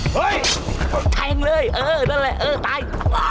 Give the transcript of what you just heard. เฮ้ยแทงเลยเออนั่นแหละเออตาย